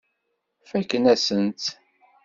Fakken-asent-t.